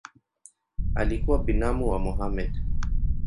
Alikuwa binamu wa Mohamed.